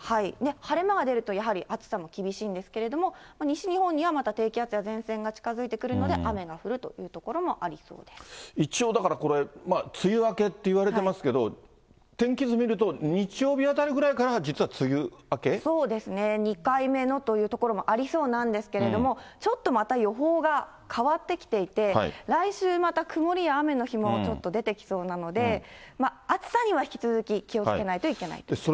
晴れ間が出ると、やはり暑さも厳しいんですけど、西日本にはまた低気圧や前線が近づいてくるので、一応だから、梅雨明けといわれてますけど、天気図見ると、日曜日あたりぐらいから実は梅雨明そうですね、２回目のという所もありそうなんですけれども、ちょっとまた予報が変わってきていて、来週また曇りや雨の日もちょっと出てきそうなので、暑さには引き続き気をつけないといけないと思います。